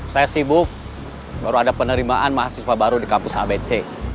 saya sibuk baru ada penerimaan mahasiswa baru di kampus hbc